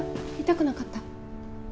痛くなかった？